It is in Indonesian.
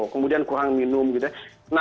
kemudian kurang minum gitu ya